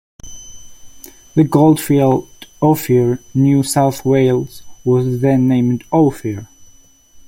The goldfield, Ophir, New South Wales, was then named Ophir.